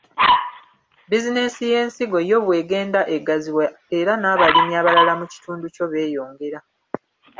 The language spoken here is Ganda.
Bizinensi y’ensigo yo bw’egenda egaziwa era n’abalimi abalala mu kitundu kyobeeyongera.